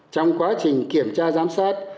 trong quá trình kiểm tra giám sát